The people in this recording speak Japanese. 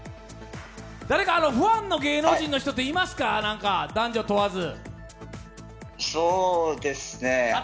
誰かファンの芸能人の人っていますか、男女問わず。